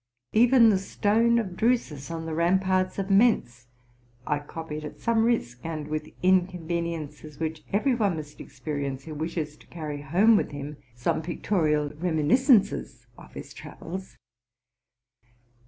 Even the stone of Drusus, on the ramparts of Mentz, I copied at some risk, and with inconveniences which every one must experience who wishes to carry home with him some pictorial reminiscences of his travels.